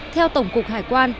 theo tổng cục hải quan